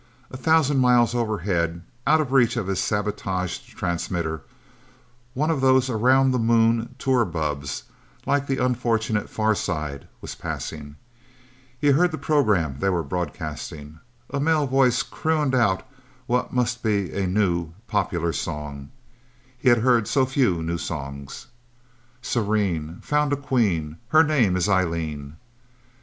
A thousand miles overhead, out of reach of his sabotaged transmitter, one of those around the Moon tour bubbs, like the unfortunate Far Side, was passing. He heard the program they were broadcasting. A male voice crooned out what must be a new, popular song. He had heard so few new songs. "Serene... Found a queen... And her name is Eileen..."